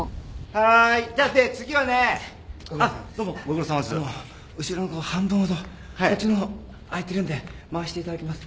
あのぅ後ろの子半分ほどこっちのほう空いてるんで回していただけます？